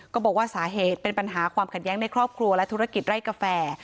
บอกว่าสาเหตุเป็นปัญหาความขัดแย้งในครอบครัวและธุรกิจไร่กาแฟ